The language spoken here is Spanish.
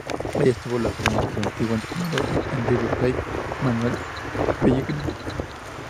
Allí estuvo a las órdenes de su antiguo entrenador en River Plate, Manuel Pellegrini.